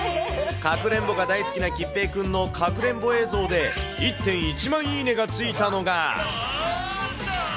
かくれんぼが大好きな桔平くんのかくれんぼ映像で、１．１万いいねがついたのが。